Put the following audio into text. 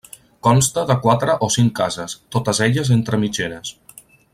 Consta de quatre o cinc cases, totes elles entre mitgeres.